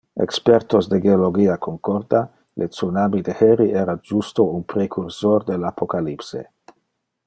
Expertes de geologia concorda: le tsunami de heri era justo un precursor del apocalypse.